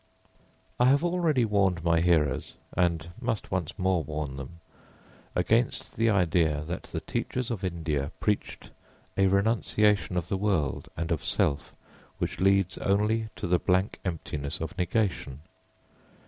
I have already warned my hearers, and must once more warn them against the idea that the teachers of India preached a renunciation of the world and of self which leads only to the blank emptiness of negation.